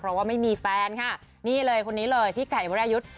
เพราะว่าไม่มีแฟนค่ะนี่เลยคนนี้เลยพี่ไก่วรายุทธ์